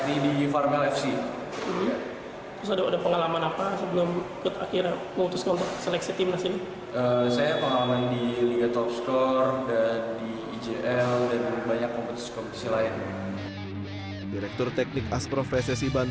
ingin menjadi pemain sepak bola profesional